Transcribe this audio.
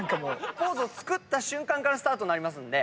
ポーズを作った瞬間からスタートになりますんで。